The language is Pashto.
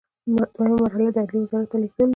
دوهمه مرحله د عدلیې وزارت ته لیږل دي.